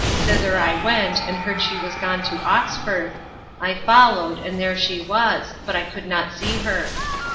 Thither I went, and heard she was gone to Oxford. I followed; and there she was; but I could not see her.